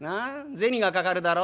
銭がかかるだろ？